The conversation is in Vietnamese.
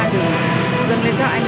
rất là thương thiết các anh